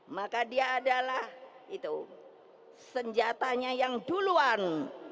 maka dia adalah itu senjatanya yang duluan